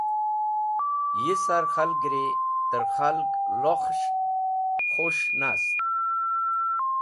Yisar khalgri tẽr khalg lokhs̃hẽn khus̃h nast.